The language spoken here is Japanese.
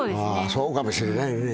そうかもしれないよね